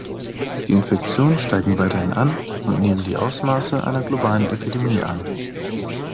Die Infektionen steigen weiterhin an und nehmen die Ausmaße einer globalen Epidemie an.